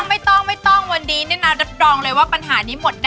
ไม่ต้องวันนี้เนี่ยนะ